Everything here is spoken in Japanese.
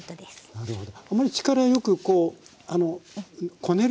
なるほど。